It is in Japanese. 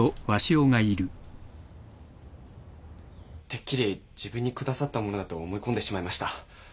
てっきり自分に下さったものだと思い込んでしまいました。